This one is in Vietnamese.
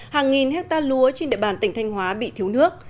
hàng nghìn hectare lúa trên địa bàn tỉnh thanh hóa bị thiếu nước